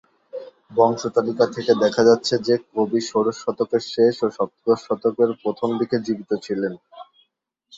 বংশ তালিকা থেকে দেখা যাচ্ছে যে, কবি ষোড়শ শতকের শেষ ও সপ্তদশ শতকের প্রথম দিকে জীবিত ছিলেন।